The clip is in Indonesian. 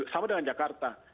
sama dengan jakarta